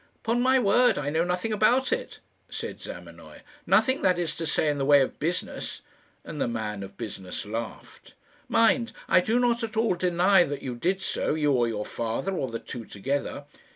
"Upon my word, I know nothing about it," said Zamenoy "nothing, that is to say, in the way of business;" and the man of business laughed. "Mind I do not at all deny that you did so you or your father, or the two together.